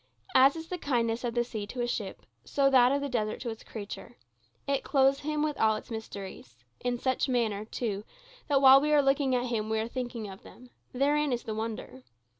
As is the kindness of the sea to a ship, so that of the desert to its creature. It clothes him with all its mysteries; in such manner, too, that while we are looking at him we are thinking of them: therein is the wonder.